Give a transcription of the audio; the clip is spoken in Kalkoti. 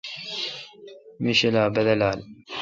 می شی بدلال ۔